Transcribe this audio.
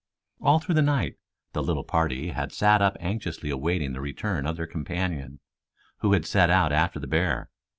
All through the night the little party had sat up anxiously awaiting the return of their companion, who had set out after the bear.